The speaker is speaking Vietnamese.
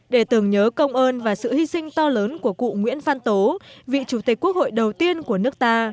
để tưởng nhớ công ơn và sự hy sinh to lớn của cụ nguyễn văn tố vị chủ tịch quốc hội đầu tiên của nước ta